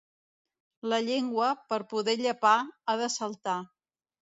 La llengua, per poder llepar, ha de saltar.